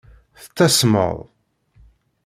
Tettasmeḍ.